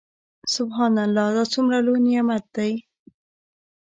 سبحان الله دا څومره لوى نعمت دى.